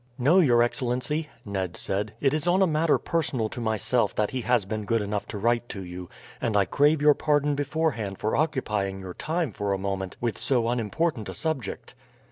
"No, your excellency," Ned said. "It is on a matter personal to myself that he has been good enough to write to you, and I crave your pardon beforehand for occupying your time for a moment with so unimportant a subject."